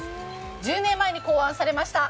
１０年前に考案されました。